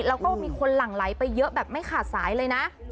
แล้วก็มีคนหลั่งไหลไปเยอะแบบไม่ขาดสายเลยนะ